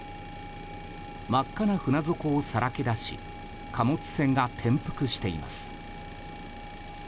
真っ赤な船底をさらけ出し貨物船が転覆しています。